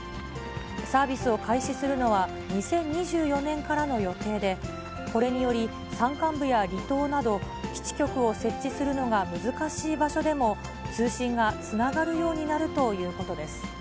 サービスを開始するのは、２０２４年からの予定で、これにより、山間部や離島など、基地局を設置するのが難しい場所でも、通信がつながるようになるということです。